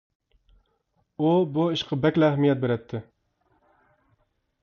ئۇ بۇ ئىشقا بەكلا ئەھمىيەت بېرەتتى.